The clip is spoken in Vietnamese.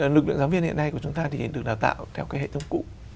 lực lượng giáo viên hiện nay của chúng ta thì được đào tạo theo cái hệ thống cũ